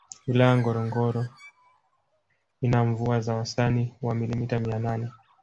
Wilaya Ngorongoro ina mvua za wastani wa milimita mia nane